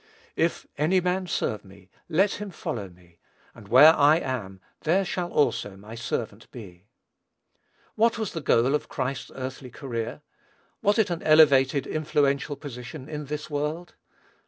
"If any man serve me, let him follow me; and where I am, there shall also my servant be." What was the goal of Christ's earthly career? Was it an elevated, influential position in this world?